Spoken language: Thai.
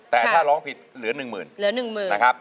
แต่ถ้าร้องผิดเหลือ๑หมื่น